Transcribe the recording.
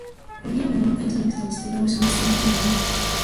コーヒーが飲みたいんじゃなくて、落ちついた場所で休みたいんだよ